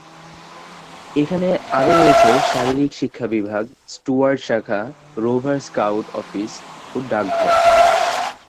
এখানে আরও রয়েছে শারীরিক শিক্ষা বিভাগ, স্টুয়ার্ড শাখা, রোভার স্কাউট অফিস ও ডাকঘর।